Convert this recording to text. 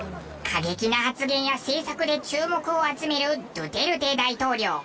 過激な発言や政策で注目を集めるドゥテルテ大統領。